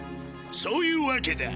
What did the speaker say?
そういうわけだ。